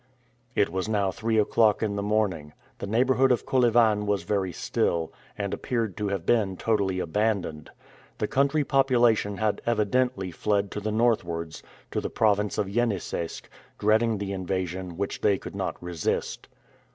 It was now three o'clock in the morning. The neighborhood of Kolyvan was very still, and appeared to have been totally abandoned. The country population had evidently fled to the northwards, to the province of Yeniseisk, dreading the invasion, which they could not resist.